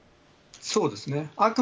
そうですね。